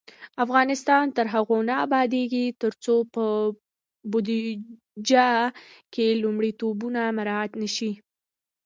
افغانستان تر هغو نه ابادیږي، ترڅو په بودیجه کې لومړیتوبونه مراعت نشي.